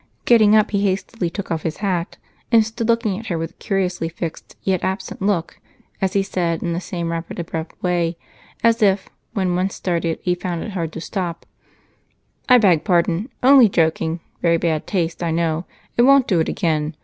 Getting up, he hastily took off his hat and stood looking at her with a curiously fixed yet absent look as he said in the same rapid, abrupt way, as if, when once started, he found it hard to stop, "I beg pardon only joking very bad taste I know, and won't do it again.